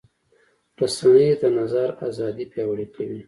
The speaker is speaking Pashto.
رسنۍ د نظر ازادي پیاوړې کوي.